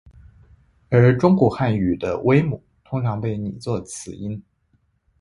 而中古汉语的微母通常被拟作此音。